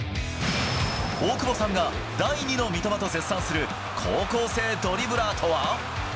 大久保さんが第２の三笘と絶賛する高校生ドリブラーとは。